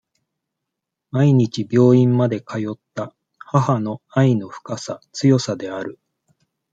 毎日病院まで通った、母の愛の深さ、強さである。